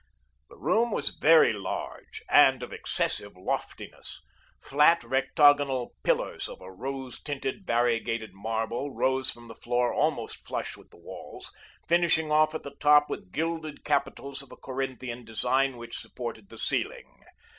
The room was very large, and of excessive loftiness. Flat, rectagonal pillars of a rose tinted, variegated marble, rose from the floor almost flush with the walls, finishing off at the top with gilded capitals of a Corinthian design, which supported the ceiling.